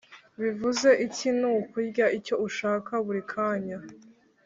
Bivuze iki nukurya icyo ushaka burikanya